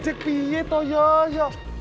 lepas itu dia yang jual